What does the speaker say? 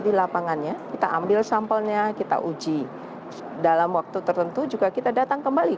di lapangannya kita ambil sampelnya kita uji dalam waktu tertentu juga kita datang kembali